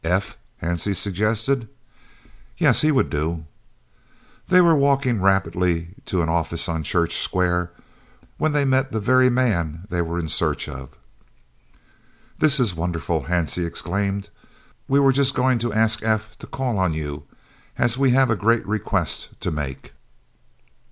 "F.?" Hansie suggested. "Yes, he would do." They were walking rapidly to an office on Church Square, when they met the very man they were in search of. "This is wonderful!" Hansie exclaimed. "We were just going to ask F. to call on you, as we have a great request to make."